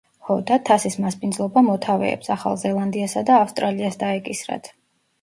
ჰოდა, თასის მასპინძლობა მოთავეებს, ახალ ზელანდიასა და ავსტრალიას დაეკისრათ.